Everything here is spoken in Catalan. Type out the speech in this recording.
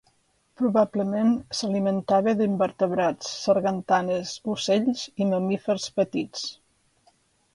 Probablement s'alimentava d'invertebrats, sargantanes, ocells i mamífers petits.